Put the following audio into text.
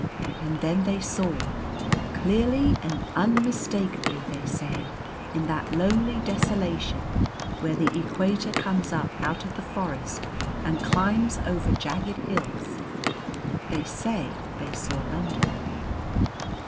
And then they saw, clearly and unmistakably they say, in that lonely desolation where the equator comes up out of the forest and climbs over jagged hills, they say they saw London.